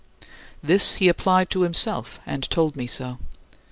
" This he applied to himself, and told me so.